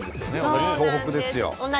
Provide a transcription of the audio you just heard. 同じ東北です。